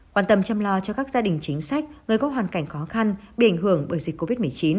quan tâm chăm lo cho các gia đình chính sách người có hoàn cảnh khó khăn bị ảnh hưởng bởi dịch covid một mươi chín